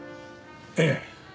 ええ。